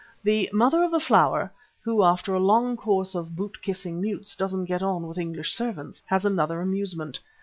The 'Mother of the Flower' (who, after a long course of boot kissing mutes, doesn't get on with English servants) has another amusement.